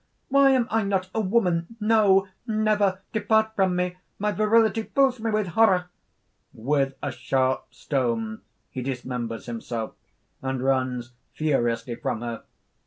Why am I not a woman? No, never! depart from me! My virility fills me with horror!" (_With a sharp stone he dismembers himself, and runs furiously from her